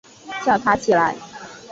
叫他起来